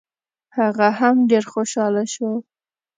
هغه هم ډېر خوشحاله شو.